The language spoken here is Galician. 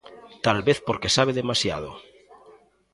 Talvez porque sabe demasiado.